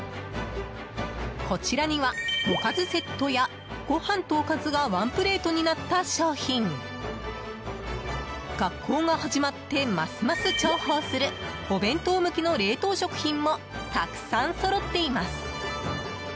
こちらにはおかずセットやご飯とおかずがワンプレートになった商品学校が始まってますます重宝するお弁当向けの冷凍食品もたくさんそろっています。